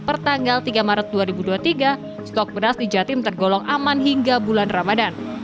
pertanggal tiga maret dua ribu dua puluh tiga stok beras di jatim tergolong aman hingga bulan ramadan